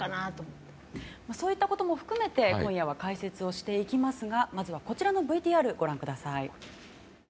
そういったことも含めて今夜は解説をしていきますがまずは、こちらのＶＴＲをご覧ください。